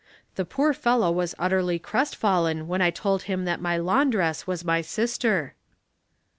The poor fellow was utterly crestfallen when I told him that my laundress was my sister."